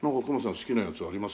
好きなやつあります？